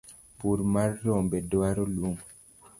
pur mar rombe dwaro lum